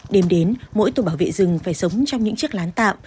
đêm đến mỗi tổ bảo vệ rừng phải sống trong những chiếc lán tạm